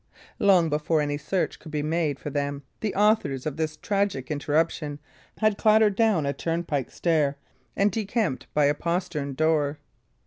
Long before any search could be made for them, the authors of this tragic interruption had clattered down a turnpike stair and decamped by a postern door.